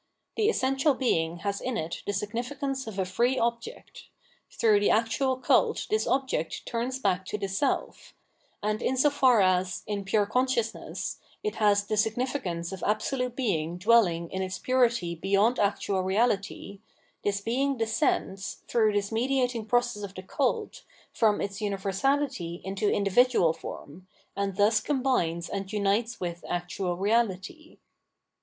The essential Being has in it the significance of a free object ; through the actual cult this object turns back to the self; and in so far as, in pure consciousness, it has the significance of absolute Being dwelhng in its purity beyond actual reality, >this Being descends, through this mediating process 6f the cult, from its universahty into individual form, and thus combines and miites with actual reality.